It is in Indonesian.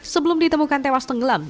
sebelum ditemukan tewas tenggelam